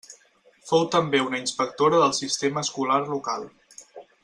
Fou també una inspectora del sistema escolar local.